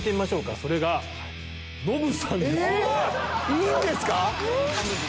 いいんですか